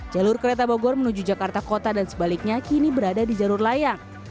jalur kereta bogor menuju jakarta kota dan sebaliknya kini berada di jalur layang